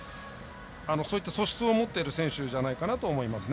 そういった素質を持っている選手じゃないかなと思います。